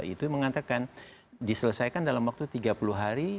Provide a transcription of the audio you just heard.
itu mengatakan diselesaikan dalam waktu tiga puluh hari